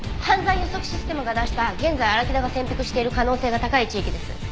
犯罪予測システムが出した現在荒木田が潜伏してる可能性が高い地域です。